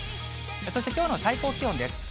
そしてきょうの最高気温です。